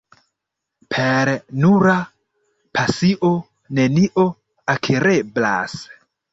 Per nura pasio nenio akireblas.